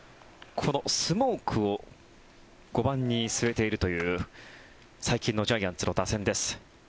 このスモークを５番に据えているという最近のジャイアンツの打線です。